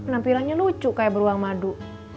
penampilannya lucu kayak beruang madu